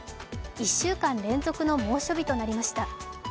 １週間連続の猛暑日となりました。